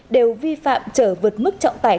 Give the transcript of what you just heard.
đều vi phạm chở vượt mức trọng tải